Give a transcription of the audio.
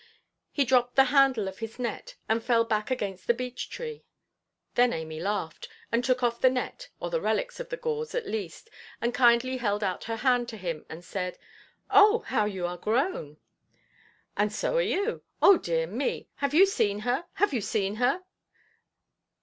He dropped the handle of his net, and fell back against the beech–tree. Then Amy laughed, and took off the net, or the relics of the gauze at least, and kindly held out her hand to him, and said, "Oh, how you are grown!" "And so are you. Oh dear me, have you seen her? Have you seen her?"